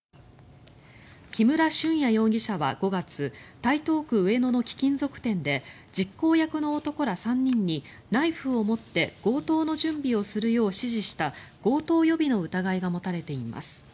木村俊哉容疑者は５月台東区上野の貴金属店で実行役の男ら３人にナイフを持って強盗の準備をするよう指示した強盗予備の疑いが持たれています。